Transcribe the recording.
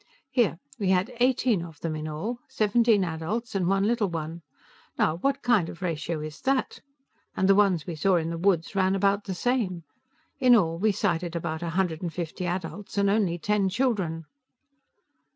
"Here; we had eighteen of them in all. Seventeen adults and one little one. Now what kind of ratio is that? And the ones we saw in the woods ran about the same. In all, we sighted about a hundred and fifty adults and only ten children."